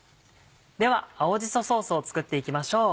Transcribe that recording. では青じそソースを作っていきましょう。